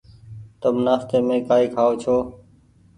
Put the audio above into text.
تم نآستي مين ڪآئي کآئو ڇو۔